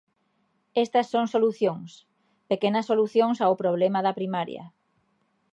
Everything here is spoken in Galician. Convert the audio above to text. Estas son solucións, pequenas solucións ao problema da primaria.